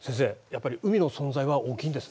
やっぱり海の存在は大きいんですね。